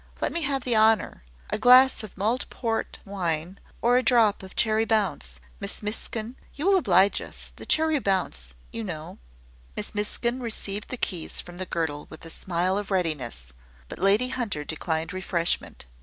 Let me have the honour a glass of mulled port wine, or a drop of cherry bounce. Miss Miskin you will oblige us the cherry bounce, you know." Miss Miskin received the keys from the girdle with a smile of readiness; but Lady Hunter declined refreshment.